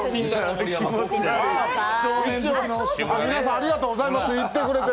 ありがとうございます。